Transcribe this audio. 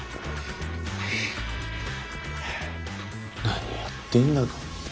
何やってんだか。